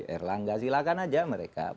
erlangga silahkan aja mereka